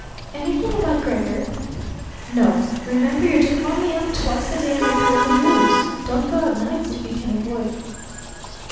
"Anything about Gregor?" "No. Remember, you're to call me up twice a day and report the news. Don't go out nights if you can avoid it."